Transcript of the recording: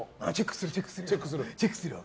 チェックするよ。